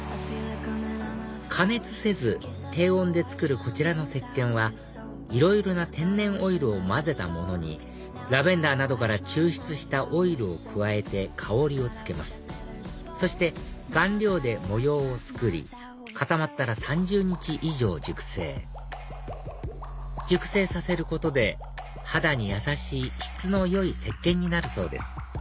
加熱せず低温で作るこちらのせっけんはいろいろな天然オイルを混ぜたものにラベンダーなどから抽出したオイルを加えて香りをつけますそして顔料で模様を作り固まったら３０日以上熟成熟成させることで肌に優しい質のよいせっけんになるそうです